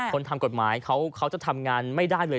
คนทำกฎหมายเขาจะทำงานไม่ได้เลย